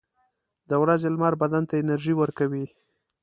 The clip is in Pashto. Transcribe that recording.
• د ورځې لمر بدن ته انرژي ورکوي.